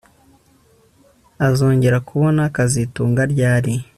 Uzongera kubona kazitunga ryari